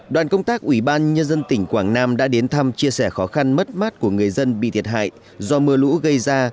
đoàn công tác ủy ban nhân dân tỉnh quảng nam đã đến thăm chia sẻ khó khăn mất mát của người dân bị thiệt hại do mưa lũ gây ra